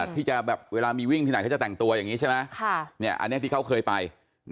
ที่จะแบบเวลามีวิ่งที่ไหนเขาจะแต่งตัวอย่างนี้ใช่ไหมอันนี้ที่เขาเคยไป